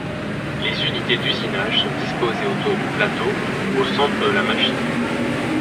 Les unités d’usinage sont disposées autour du plateau ou au centre de la machine.